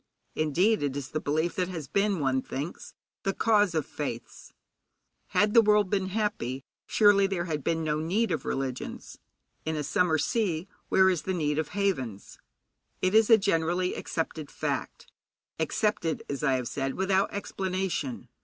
Indeed, it is the belief that has been, one thinks, the cause of faiths. Had the world been happy, surely there had been no need of religions. In a summer sea, where is the need of havens? It is a generally accepted fact, accepted, as I have said, without explanation.